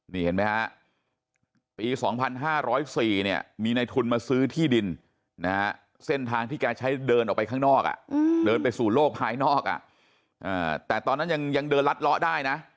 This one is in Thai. ปี๒๕๐๔เนี่ยมีในทุนมาซื้อที่ดินเส้นทางที่การใช้เดินออกไปข้างนอกไปสู่โลกภายนอกแต่ตอนนั้นยังเดินลัดล้อได้นะ